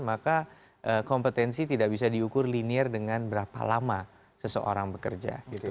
maka kompetensi tidak bisa diukur linear dengan berapa lama seseorang bekerja